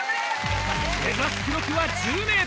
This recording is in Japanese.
目指す記録は１０ｍ。